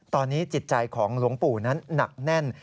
ตอนนี้จิตใจของหลวงปู่นั้นหนักแน่น